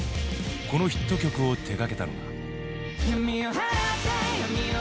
このヒット曲を手がけたのが。